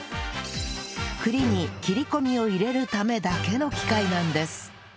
栗に切り込みを入れるためだけの機械なんです